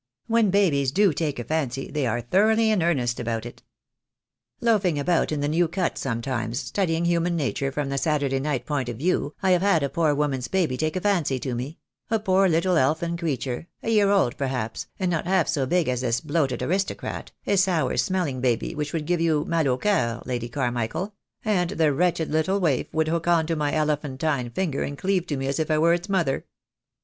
When babies do take a fancy they are thoroughly in earnest about it. Loafing about in the New Cut sometimes, studying human nature from the Saturday night point of view, I have had a poor woman's baby take a fancy to me — a poor little elfin creature, a year old perhaps, and not half so big as this bloated aristocrat, a sour smelling baby which would give you mal an cceur , Lady Carmichael; and the wretched little waif would hook on to my elephantine finger and cleave to me as if I were its mother.